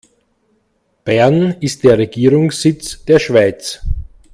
Bern ist der Regierungssitz der Schweiz.